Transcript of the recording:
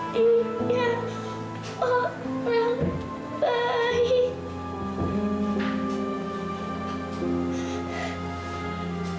dia orang baik